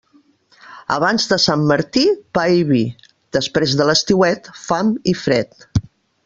Abans de Sant Martí, pa i vi; després de l'estiuet, fam i fred.